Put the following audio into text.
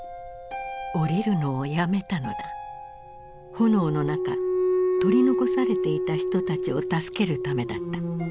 炎の中取り残されていた人たちを助けるためだった。